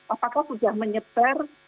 apakah sudah menyetar